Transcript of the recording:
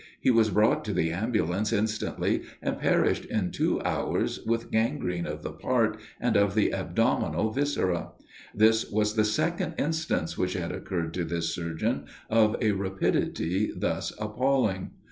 He was brought to the "ambulance" instantly, and perished in two hours with gangrene of the part, and of the abdominal viscera. This was the second instance which had occurred to this surgeon of a rapidity thus appalling.